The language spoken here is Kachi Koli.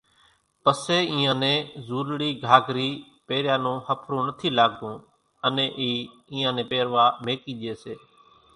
پسيَ اينيان نين زُولڙِي گھاگھرِي پيريان نون ۿڦرون نٿِي لاڳتون انين اِي اينيان نين پيروا ميڪِي ڄيَ سي۔